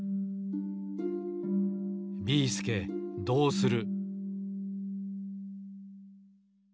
ビーすけどうする！？